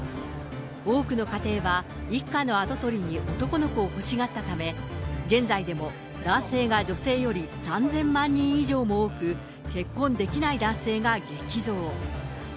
多くの家庭は、一家の跡取りに男の子を欲しがったため、現在でも男性が女性より３０００万人以上も多く、結婚できない男性が激増。